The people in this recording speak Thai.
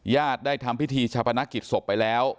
ได้ทำพิธีชาปนกิจศพไปแล้ว